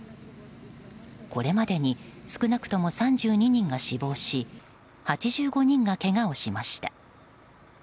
これまでに少なくとも３２人が死亡し８５人がけがをしました。